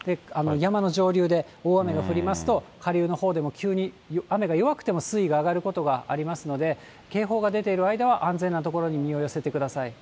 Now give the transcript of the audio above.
山の上流で大雨が降りますと、下流のほうでも急に、雨が弱くても、水位が上がることがありますので、警報が出ている間は、安全な所に身を寄せてください。